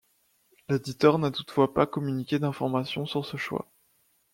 L'éditeur n'a toutefois pas communiqué d'informations sur ce choix.